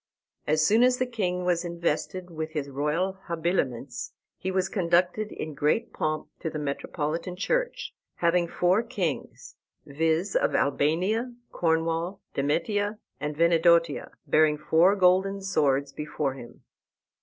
As soon as the king was invested with his royal habiliments he was conducted in great pomp to the metropolitan church, having four kings, viz., of Albania, Cornwall, Demetia, and Venedotia, bearing four golden swords before him.